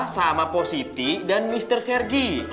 sama positi dan mister sergi